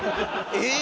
えっ？